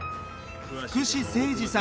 福士誠治さん